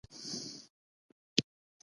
د نجونو تعلیم د ټولنې پراختیا سبب دی.